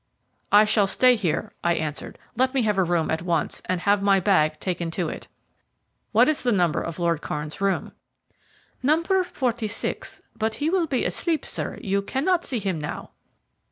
"I shall stay here," I answered; "let me have a room at once, and have my bag taken to it. What is the number of Lord Kairn's room?" "Number forty six. But he will be asleep, sir; you cannot see him now."